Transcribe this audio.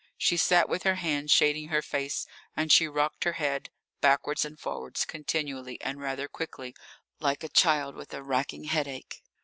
She sat with her hand shading her face, and she rocked her head backwards and forwards continually and rather quickly, like a child with a racking headache.